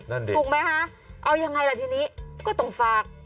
ดิถูกไหมคะเอายังไงล่ะทีนี้ก็ต้องฝาก